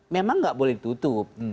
memang gak boleh ditutup